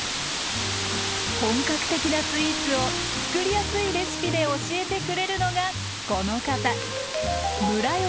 本格的なスイーツをつくりやすいレシピで教えてくれるのがこの方！